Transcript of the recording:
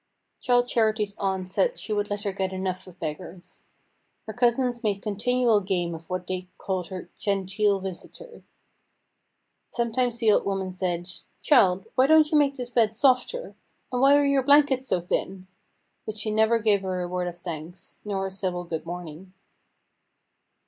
Childe Charity's aunt said she would let her get enough of beggars. Her cousins made continual game of what they called her genteel visitor. Sometimes the old woman said: "Child, why don't you make this bed softer? and why are your blankets so thin?" but she never gave her a word of thanks, nor a civil good morning.